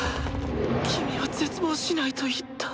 キミは絶望しないと言った。